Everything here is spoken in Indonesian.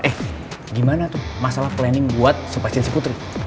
eh gimana tuh masalah planning buat supasinsiputri